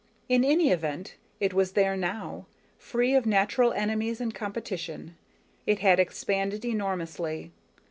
_ _In any event, it was there now. Free of natural enemies and competition, it had expanded enormously.